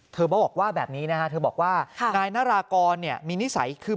บอกว่าแบบนี้นะฮะเธอบอกว่านายนารากรมีนิสัยคือ